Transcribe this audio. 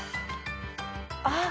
あっ。